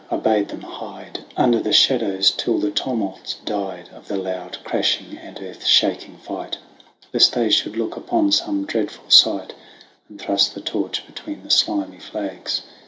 I bade them hide Under the shadows till the tumults died Of the loud crashing and earth shaking fight, Lest they should look upon some dreadful sight; And thrust the torch between the slimy flags.